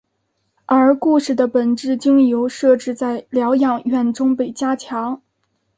而故事的本质经由设置在疗养院中被加强。